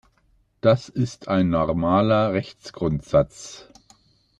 Das ist ein normaler Rechtsgrundsatz.